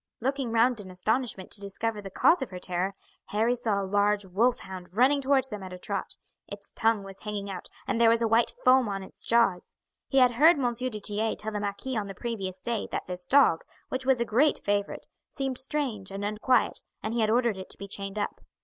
Looking round in astonishment to discover the cause of her terror, Harry saw a large wolf hound running towards them at a trot. Its tongue was hanging out, and there was a white foam on its jaws. He had heard M. du Tillet tell the marquis on the previous day that this dog, which was a great favourite, seemed strange and unquiet, and he had ordered it to be chained up.